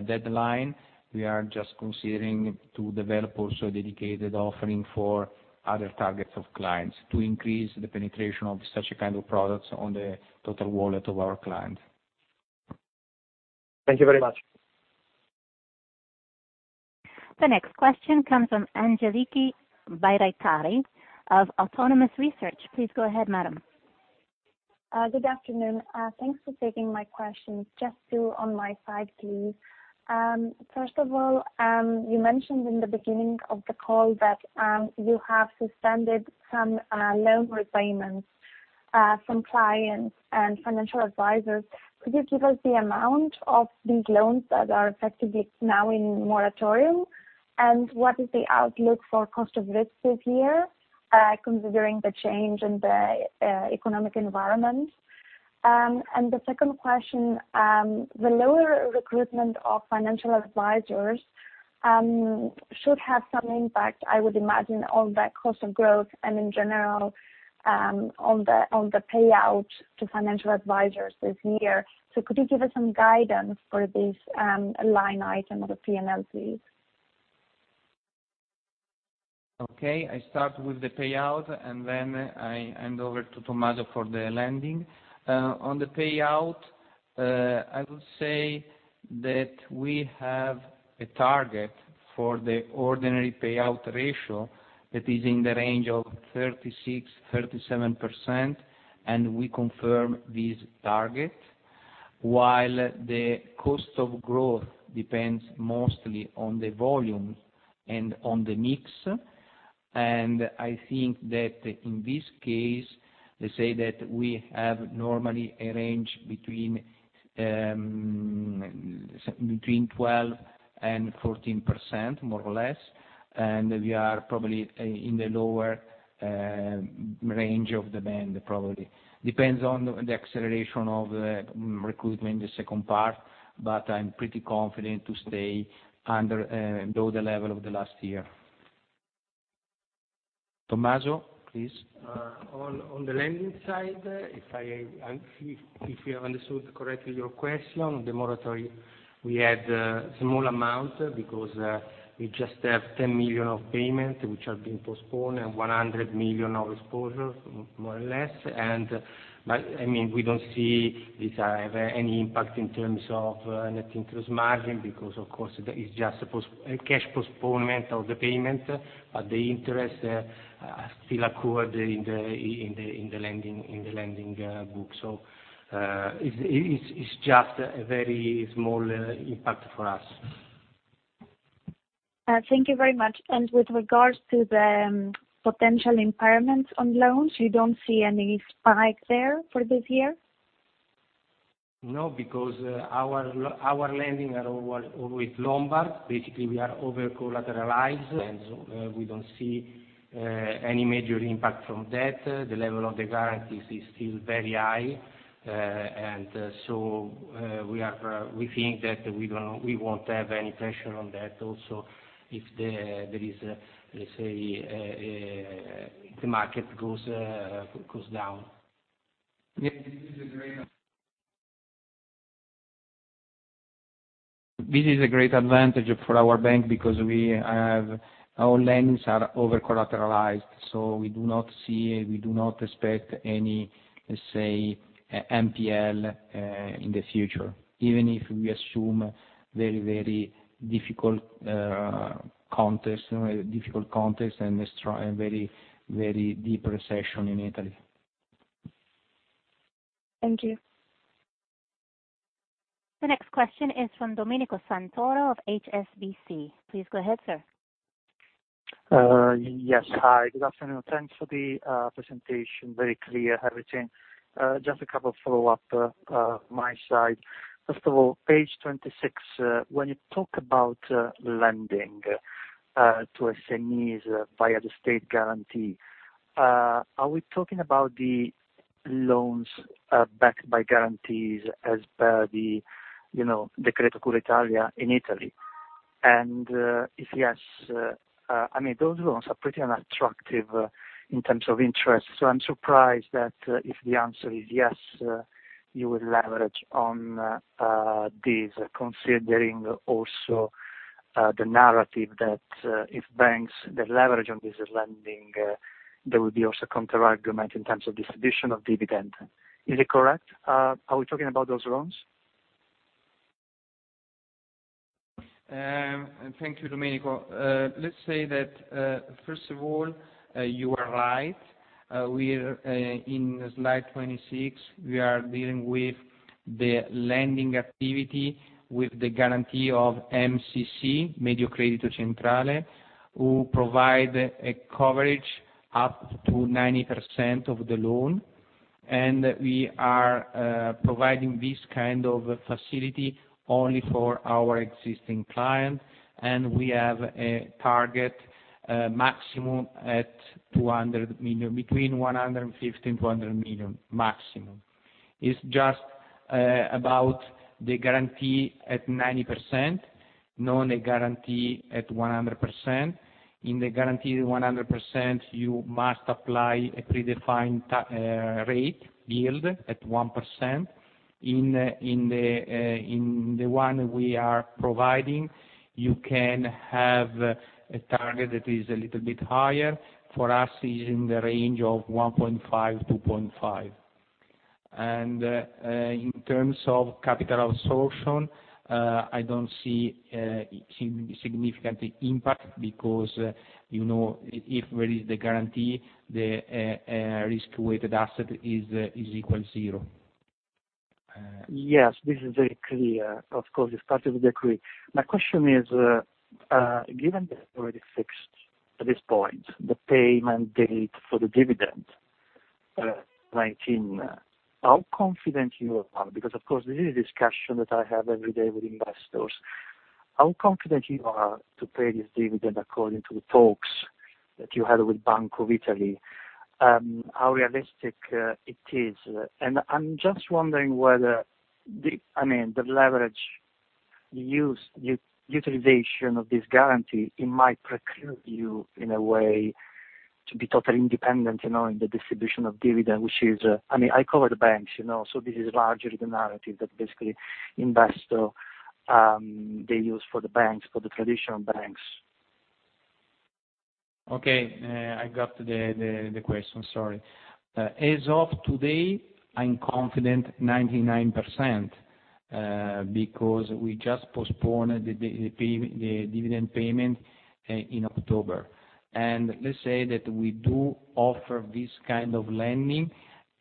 deadline. We are just considering to develop also a dedicated offering for other targets of clients to increase the penetration of such kind of products on the total wallet of our client. Thank you very much. The next question comes from Angeliki Vayraki of Autonomous Research. Please go ahead, madam. Good afternoon. Thanks for taking my questions. Just two on my side, please. First of all, you mentioned in the beginning of the call that you have suspended some loan repayments from clients and financial advisors. Could you give us the amount of these loans that are effectively now in moratorium? What is the outlook for cost of risk this year, considering the change in the economic environment? The second question, the lower recruitment of financial advisors should have some impact, I would imagine, on the cost of growth and in general, on the payout to financial advisors this year. Could you give us some guidance for this line item of the P&L, please? I start with the payout, and then I hand over to Tommaso for the lending. On the payout, I would say that we have a target for the ordinary payout ratio that is in the range of 36%, 37%, and we confirm this target. The cost of growth depends mostly on the volume and on the mix. I think that in this case, let's say that we have normally a range between 12% and 14%, more or less. We are probably in the lower range of the band. Depends on the acceleration of the recruitment in the second part, I'm pretty confident to stay below the level of the last year. Tommaso, please. On the lending side, if I understood correctly your question, on the moratory, we had a small amount because we just have 10 million of payments, which have been postponed, and 100 million of exposure, more or less. We don't see this have any impact in terms of net interest margin because, of course, that is just a cash postponement of the payment, but the interest still accrued in the lending book. It's just a very small impact for us. Thank you very much. With regards to the potential impairments on loans, you don't see any spike there for this year? No, because our lending are always Lombard. Basically, we are over-collateralized, and so we don't see any major impact from that. The level of the guarantees is still very high, and so we think that we won't have any pressure on that also if the market goes down. This is a great advantage for our bank because our lendings are over-collateralized, so we do not expect any, let's say, NPL in the future, even if we assume very difficult context and a very deep recession in Italy. Thank you. The next question is from Domenico Santoro of HSBC. Please go ahead, sir. Yes. Hi. Good afternoon. Thanks for the presentation. Very clear, everything. Just a couple follow-up my side. First of all, page 26, when you talk about lending to SMEs via the state guarantee, are we talking about the loans backed by guarantees as per Decreto Italia in Italy? If yes, those loans are pretty unattractive in terms of interest. I'm surprised that if the answer is yes, you will leverage on these, considering also the narrative that if banks that leverage on this lending, there will be also counterargument in terms of distribution of dividend. Is it correct? Are we talking about those loans? Thank you, Domenico. Let's say that, first of all, you are right. In slide 26, we are dealing with the lending activity with the guarantee of MCC, Mediocredito Centrale, who provide a coverage up to 90% of the loan. We are providing this kind of facility only for our existing clients, and we have a target maximum at between 150 million and 200 million maximum. It's just about the guarantee at 90%, not a guarantee at 100%. In the guaranteed 100%, you must apply a predefined rate yield at 1%. In the one we are providing, you can have a target that is a little bit higher. For us, is in the range of 1.5%-2.5%. In terms of capital absorption, I don't see significant impact because if there is the guarantee, the risk-weighted asset is equal zero. Yes. This is very clear. Of course, it's part of the decree. My question is, given that you already fixed at this point the payment date for the dividend, how confident you are, because of course, this is a discussion that I have every day with investors. How confident you are to pay this dividend according to the talks that you had with Bank of Italy, how realistic it is? I'm just wondering whether the leverage utilization of this guarantee, it might preclude you in a way to be totally independent in the distribution of dividend. This is largely the narrative that basically investor, they use for the banks, for the traditional banks. Okay. I got the question. Sorry. As of today, I'm confident 99%, because we just postponed the dividend payment in October. Let's say that we do offer this kind of lending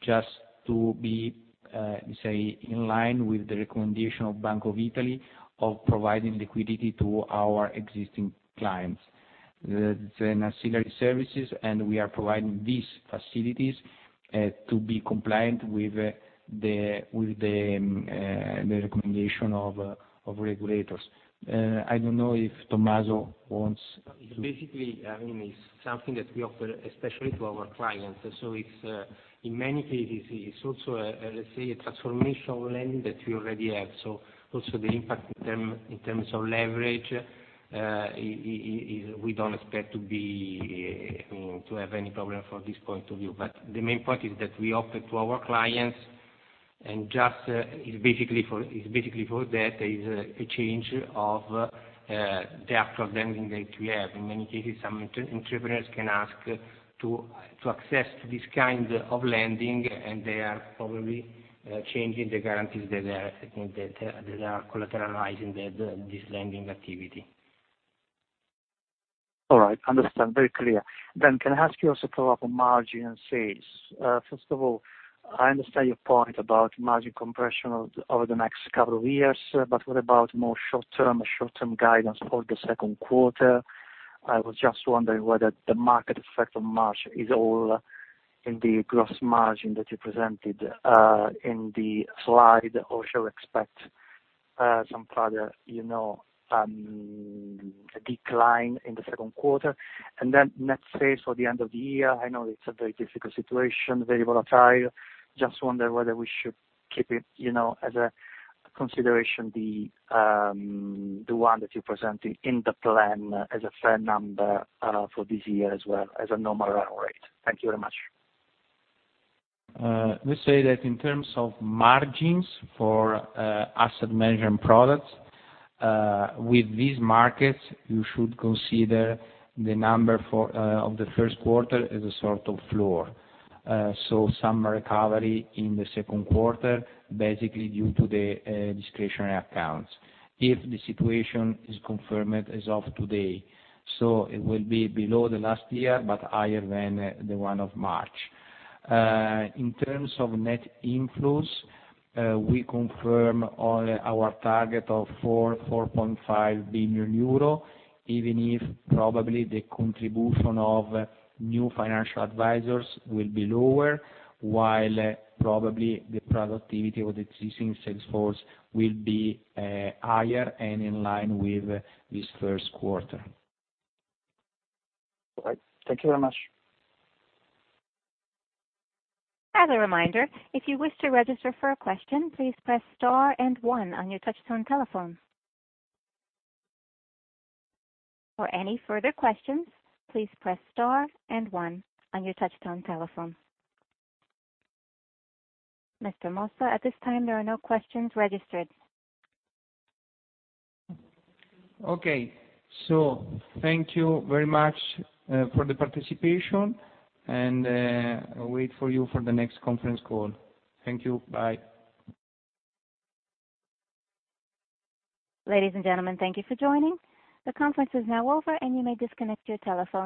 just to be in line with the recommendation of Bank of Italy of providing liquidity to our existing clients. The ancillary services, and we are providing these facilities To be compliant with the recommendation of regulators. I don't know if Tommaso wants to. Basically, it's something that we offer especially to our clients. In many cases, it's also a, let's say, a transformational lending that we already have. Also the impact in terms of leverage, we don't expect to have any problem from this point of view. The main point is that we offer to our clients, and just, it's basically for that, is a change of the actual lending that we have. In many cases, some entrepreneurs can ask to access to this kind of lending, and they are probably changing the guarantees that they are collateralizing this lending activity. All right. Understand. Very clear. Can I ask you also a couple of margin and sales? First of all, I understand your point about margin compression over the next couple of years, what about more short term guidance for the second quarter? I was just wondering whether the market effect on March is all in the gross margin that you presented in the slide, or shall we expect some further decline in the second quarter? Net sales for the end of the year, I know it's a very difficult situation, very volatile. Just wonder whether we should keep it as a consideration, the one that you're presenting in the plan as a fair number for this year as well as a normal run rate. Thank you very much. Let's say that in terms of margins for asset management products, with these markets, you should consider the number of the first quarter as a sort of floor. Some recovery in the second quarter, basically due to the discretionary accounts. If the situation is confirmed as of today. It will be below the last year, but higher than the one of March. In terms of net inflows, we confirm our target of 4.5 billion euro, even if probably the contribution of new financial advisors will be lower, while probably the productivity of the existing sales force will be higher and in line with this first quarter. All right. Thank you very much. As a reminder, if you wish to register for a question, please press star and one on your touch tone telephone. For any further questions, please press star and one on your touch tone telephone. Mr. Mossa, at this time, there are no questions registered. Okay. Thank you very much for the participation. I wait for you for the next conference call. Thank you. Bye. Ladies and gentlemen, thank you for joining. The conference is now over, and you may disconnect your telephone.